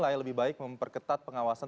afi menilai lebih baik memperketat pengawasan